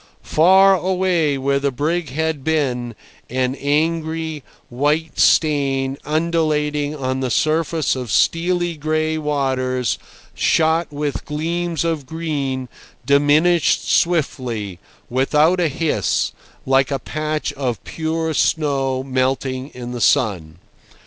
Far away, where the brig had been, an angry white stain undulating on the surface of steely gray waters, shot with gleams of green, diminished swiftly, without a hiss, like a patch of pure snow melting in the sun.